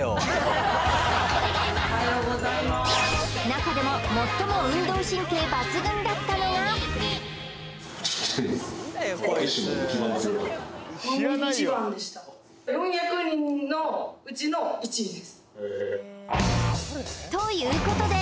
中でも最も運動神経抜群だったのがということで！